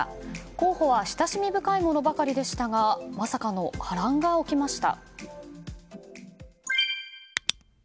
候補は親しみ深いものばかりでしたがまさかの波乱が起きました。